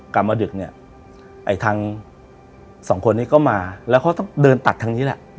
กลับมาดึกเนี่ยไอ้ทางสองคนนี้ก็มาแล้วเขาต้องเดินตัดทางนี้แหละ